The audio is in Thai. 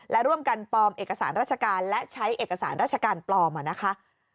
และร่วมกันปลอมเอกสารราชการและใช้เอกสารราชการปลอมนะคะ